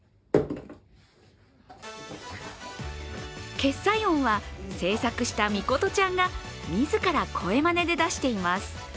決済音は制作した美琴ちゃんが自ら声まねで出しています。